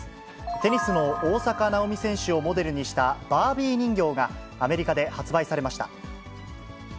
テニスの大坂なおみ選手をモデルにしたバービー人形が、アメリカで発売されました。